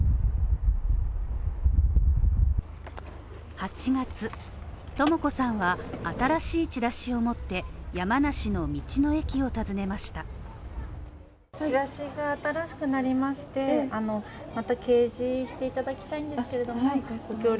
８月とも子さんは新しいチラシを持って、山梨の道の駅を訪ねました。